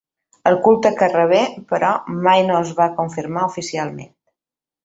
El culte que rebé, però, mai no es va confirmar oficialment.